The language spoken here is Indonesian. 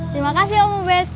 terima kasih om ubed